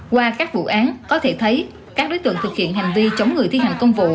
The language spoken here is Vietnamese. qua các vụ án có thể thấy các đối tượng thực hiện hành vi chống người thi hành công vụ